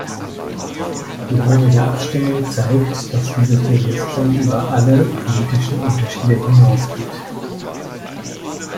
Die heutige Abstimmung zeigt, dass dieses Bewusstsein über alle politischen Unterschiede hinausgeht.